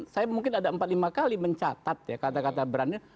saya mungkin ada empat lima kali mencatat ya kata kata berani